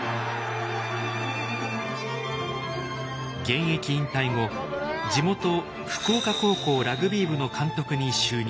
現役引退後地元福岡高校ラグビー部の監督に就任します。